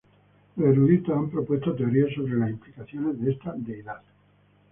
Los eruditos han propuesto teorías sobre las implicaciones de esta deidad.